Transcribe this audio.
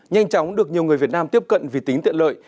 nhanh chóng được nhiều người việt nam tiếp cận vì tính tiện lợi